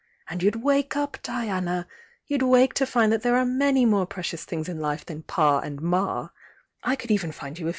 And youd wake up, Diana I— you'd wake to find that Uiere are many more precious things in life than Pa and Ma! I could even find you a